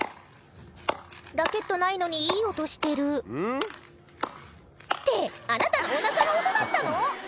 ラケットないのにいい音してるってあなたのお腹の音だったの⁉